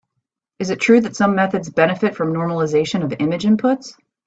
It is true that some methods benefit from normalization of image inputs.